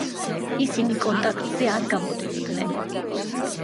ისინი კონტაქტზე არ გამოდიოდნენ.